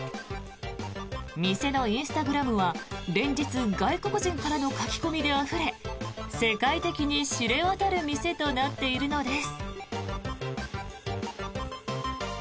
店のインスタグラムは、連日外国人からの書き込みであふれ世界的に知れ渡る店となっているのです。